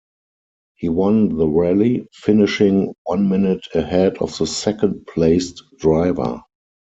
He won the rally, finishing one minute ahead of the second placed driver.